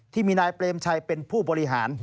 ที่มีนายเปรมชัยเป็นผู้บริหาร